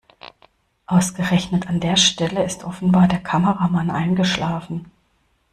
Ausgerechnet an der Stelle ist offenbar der Kameramann eingeschlafen.